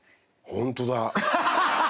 ホントだ。